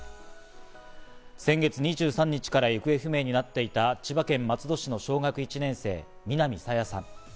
先月２３日から行方不明になっていた千葉県松戸市の小学１年生・南朝芽さん。